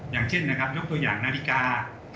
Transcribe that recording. อย่างเช่นนะครับยกตัวอย่างนาฬิกา